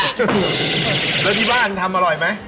แล้วที่บ้านทำอร่อยไหม